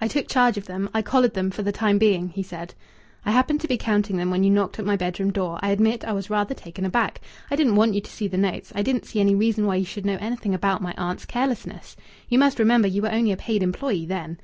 "I took charge of them. I collared them, for the time being," he said. "I happened to be counting them when you knocked at my bedroom door. I admit I was rather taken aback. I didn't want you to see the notes. I didn't see any reason why you should know anything about my aunt's carelessness. You must remember you were only a paid employee then.